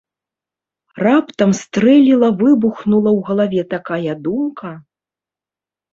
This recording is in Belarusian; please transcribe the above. Раптам стрэліла-выбухнула ў галаве такая думка?